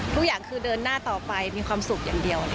ทุกอย่างคือเดินหน้าต่อไปมีความสุขอย่างเดียว